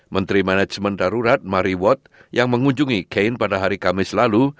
menteri manajemen darurat marywot yang mengunjungi kane pada hari kamis lalu